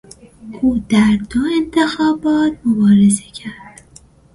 او در دو انتخابات مبارزه کرد.